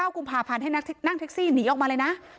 กุมภาพันธ์ให้นั่งแท็กซี่หนีออกมาเลยนะ